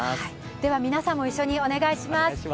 では皆さんも一緒にお願いします。